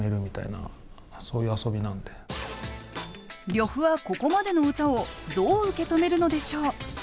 呂布はここまでの歌をどう受け止めるのでしょう。